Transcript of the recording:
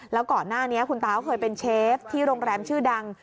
แล้วก่อนหน้านี้คุณตาก็เคยเป็นเชฟที่โรงแรมชื่อดัง